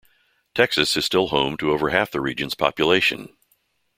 Texas is still home to over half the region's population.